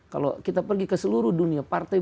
kalau kita pergi ke seluruh dunia partai